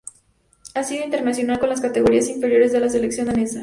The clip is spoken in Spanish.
Ha sido internacional con las Categorías Inferiores de la Selección Danesa.